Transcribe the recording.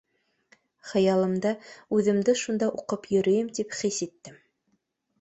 Хыялымда үҙемде шунда уҡып йөрөйөм тип хис иттем.